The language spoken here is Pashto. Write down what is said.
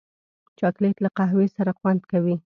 چاکلېټ له قهوې سره خوند کوي.